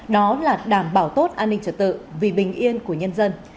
đó là đảm bảo tốt an ninh trật tự vì bình yên của nhân dân